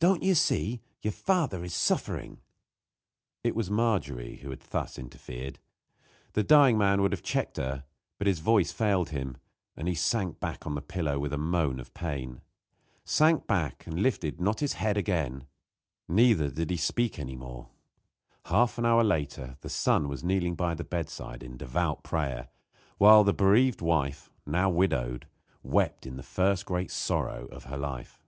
Don't you see? Your father is suffering." It was Margery who had thus interfered. The dying man would have checked her, but his voice failed him, and he sank back on the pillow with a moan of pain. Sank back and lifted not his head again; neither did he speak any more. Half an hour later the son was kneeling by the bedside in devout prayer, while the bereaved wife, now widowed, wept in the first great sorrow of her life.